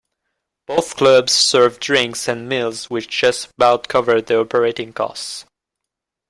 Both clubs served drinks and meals which just about covered the operating costs.